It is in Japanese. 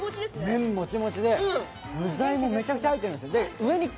麺モチモチで具材もめちゃくちゃ入ってるんですよ。